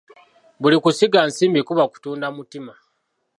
Buli kusiga nsimbi kuba kutunda mutima.